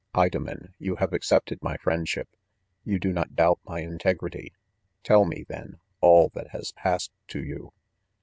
Ido* men, you have accepted my friendship ;— you do not doubt my integrity. Tell me, then, all that has passed to you.